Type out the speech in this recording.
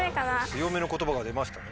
強めの言葉が出ましたね。